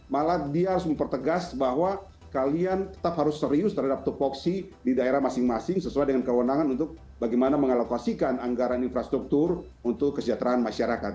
malah dia harus mempertegas bahwa kalian tetap harus serius terhadap topoksi di daerah masing masing sesuai dengan kewenangan untuk bagaimana mengalokasikan anggaran infrastruktur untuk kesejahteraan masyarakat